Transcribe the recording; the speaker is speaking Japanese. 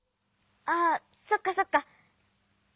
ああそっかそっか。